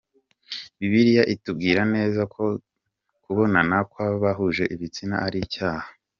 Bibiliya itubwira neza ko kubonana kw’abahuje ibitsina ari icyaha.